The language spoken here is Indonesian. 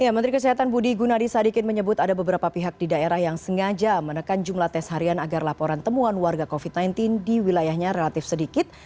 menteri kesehatan budi gunadisadikin menyebut ada beberapa pihak di daerah yang sengaja menekan jumlah tes harian agar laporan temuan warga covid sembilan belas di wilayahnya relatif sedikit